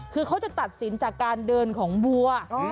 คือเขาจะตัดสินจากการเดินของวัว